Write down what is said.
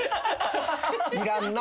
いらんな。